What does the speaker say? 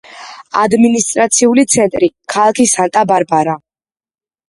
ადმინისტრაციული ცენტრი ქალაქი სანტა-ბარბარა.